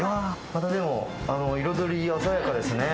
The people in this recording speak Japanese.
またでも、彩り鮮やかですね。